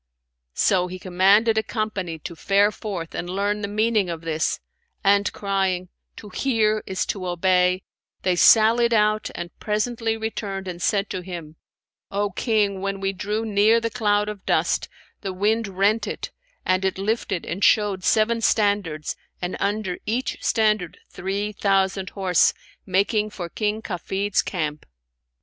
So he commanded a company to fare forth and learn the meaning of this; and, crying, 'To hear is to obey,' they sallied out and presently returned and said to him, 'O King, when we drew near the cloud of dust, the wind rent it and it lifted and showed seven standards and under each standard three thousand horse, making for King Kafid's camp.'